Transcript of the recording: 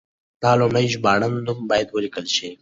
د لومړي ژباړن نوم باید ولیکل شي.